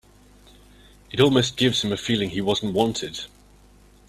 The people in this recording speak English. It almost gives him a feeling he wasn't wanted.